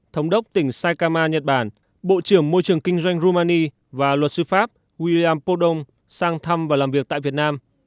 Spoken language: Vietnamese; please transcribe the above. thống đốc tỉnh saikama nhật bản bộ trưởng môi trường kinh doanh rumani và luật sư pháp william poudon sang thăm và làm việc tại việt nam